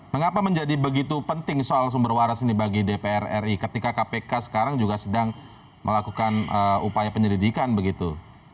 mengapa menjadi begitu penting soal sumber waras ini bagi dpr ri ketika kpk sekarang juga sedang melakukan upaya penyelidikan begitu